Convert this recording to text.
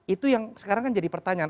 itu yang sekarang kan jadi pertanyaan